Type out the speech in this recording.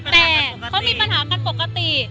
แต่เขามีปัญหากันปกติ